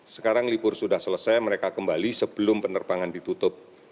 sekarang libur sudah selesai mereka kembali sebelum penerbangan ditutup